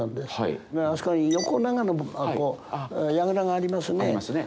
あそこに横長の櫓がありますね。ありますね。